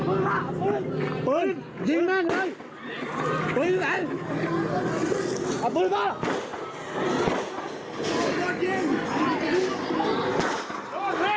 ปืนปืนยิงแม่งเลยปืนแม่งเอาปืนป่ะ